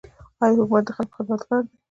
آیا حکومت د خلکو خدمتګار دی؟